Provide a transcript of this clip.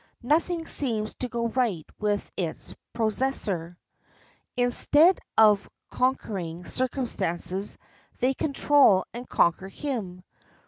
Nothing seems to go right with its possessor. Instead of conquering circumstances they control and conquer him.